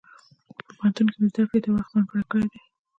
په پوهنتون کې مې زده کړې ته وخت ځانګړی کړی دی.